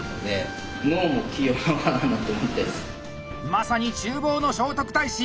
まさにちゅう房の聖徳太子！